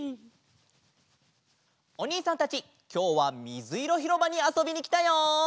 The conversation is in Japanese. おにいさんたちきょうはみずいろひろばにあそびにきたよ！